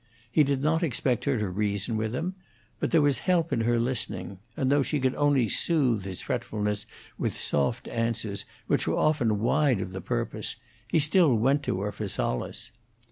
He did not expect her to reason with him, but there was help in her listening, and though she could only soothe his fretfulness with soft answers which were often wide of the purpose, he still went to her for solace.